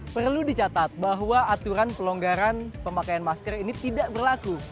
perlu dicatat bahwa aturan pelonggaran pemakaian masker ini tidak berlaku